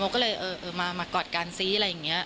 ก็เลยเออมากอดกันซิอะไรอย่างนี้